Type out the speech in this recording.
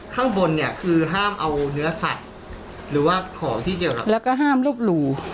ข้างบนเนี่ยคือห้ามเอาเนื้อสัตว์หรือว่าของที่เจอแล้วก็ห้ามรูปหลู